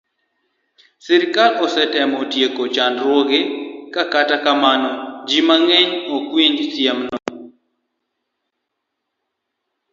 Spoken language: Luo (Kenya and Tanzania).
Sirkal osetemo tieko chandruogego, to kata kamano, ji mang'eny ok winj siemno.